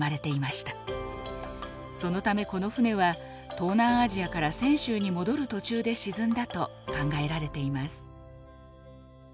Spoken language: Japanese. そのためこの船は東南アジアから泉州に戻る途中で沈んだと考えられています。